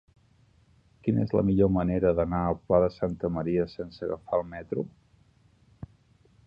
Quina és la millor manera d'anar al Pla de Santa Maria sense agafar el metro?